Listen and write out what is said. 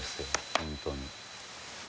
本当に。